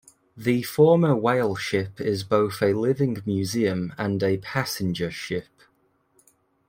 The former whale ship is both a living museum and a passenger ship.